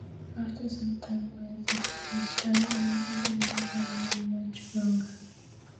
After some time with the Detroit Stars, Marcelle didn't play very much longer.